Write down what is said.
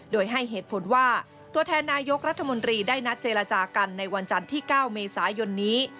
โดยให้เหตุผลว่าตัวแทนนายกรัฐมนตรีได้นัดเจรจากันในวันจันทร์ที่๙เมษายนนี้